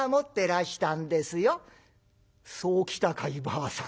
「そうきたかいばあさん。